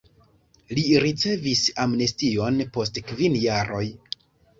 Li ricevis amnestion post kvin jaroj.